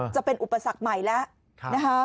จะเป็นอุปสรรคใหม่แล้วนะคะ